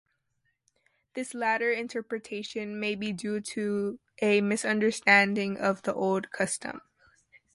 This latter interpretation may be due to a misunderstanding of the old custom.